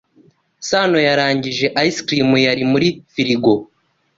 Sanoyarangije ice cream yari muri firigo.